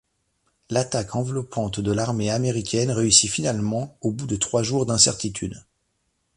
L’attaque enveloppante de l’armée américaine réussit finalement au bout de trois jours d’incertitude.